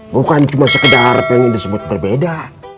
bukan cuma sekedar pengen disebut berbeda